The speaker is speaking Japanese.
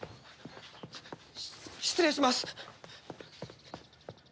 失礼します！